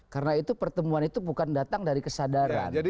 karena itu pertemuan itu bukan datang dari kesadaran